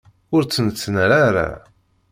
Ur tt-nettnal ara.